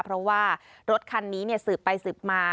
เพราะว่ารถคันนี้สืบไปสืบมา